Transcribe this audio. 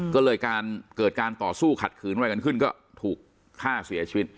ก็เลยการเกิดการต่อสู้ขัดขืนอะไรกันขึ้นก็ถูกฆ่าเสียชีวิต